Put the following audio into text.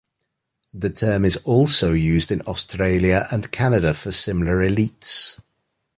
The term is also used in Australia and Canada for similar elites.